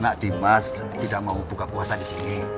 ndak dimas tidak mau buka puasa disini